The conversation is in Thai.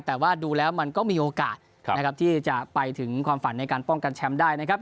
แต่ว่าดูแล้วมันก็มีโอกาสนะครับที่จะไปถึงความฝันในการป้องกันแชมป์ได้นะครับ